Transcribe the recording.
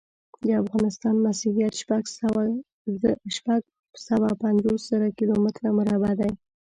د افغانستان مسحت شپږ سوه پنځوس زره کیلو متره مربع دی.